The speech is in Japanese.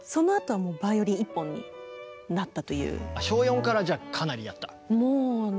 小４からじゃあかなりやった？